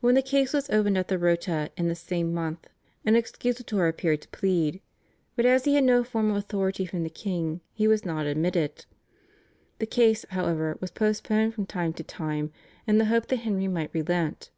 When the case was opened at the Rota in the same month an excusator appeared to plead, but as he had no formal authority from the king he was not admitted. The case, however, was postponed from time to time in the hope that Henry might relent.